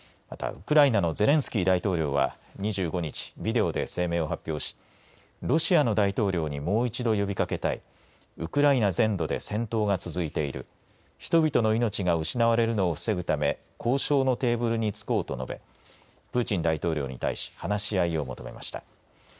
また、ウクライナのゼレンスキー大統領は２５日、ビデオで声明を発表しロシアの大統領にもう一度、呼びかけたいウクライナ全土で戦闘が続いている人々の命が失われるのを防ぐため交渉のテーブルにつこうと述べプーチン大統領に対し話し合いをもとめました。